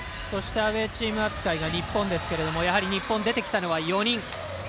そしてアウェーチーム扱いが日本ですがやはり日本、出てきたのは４人。